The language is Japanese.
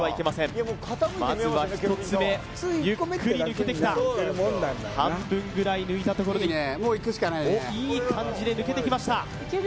傾いてんなまずは１つ目ゆっくり抜けてきた半分ぐらい抜いたところにもういくしかないねいい感じで抜けてきましたいける？